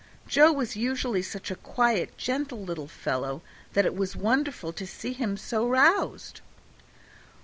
Joe was usually such a quiet, gentle little fellow that it was wonderful to see him so roused.